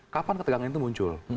kapan ketegangan itu muncul